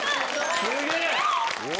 すげえ！